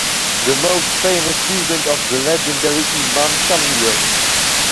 The most famous student of the legendary Imam Shamil.